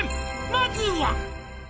「まずは」